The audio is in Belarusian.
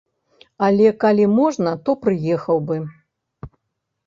Але, калі можна, то прыехаў бы.